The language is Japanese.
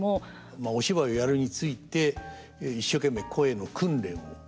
まあお芝居をやるについて一生懸命声の訓練をしました。